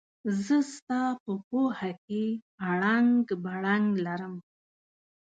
زه ستا په پوهه کې اړنګ بړنګ لرم.